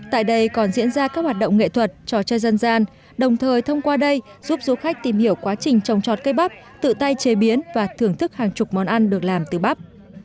tại đây còn diễn ra các hoạt động nghệ thuật trò chơi dân gian đồng thời thông qua đây giúp du khách tìm hiểu quá trình trồng trọt cây bắp tự tay chế biến và thưởng thức hàng chục món ăn được làm từ bắp